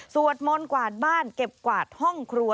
มนต์กวาดบ้านเก็บกวาดห้องครัว